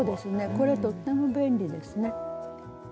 これとっても便利ですね。